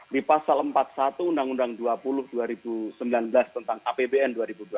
di pasal empat puluh satu undang undang dua puluh dua ribu sembilan belas tentang apbn dua ribu dua puluh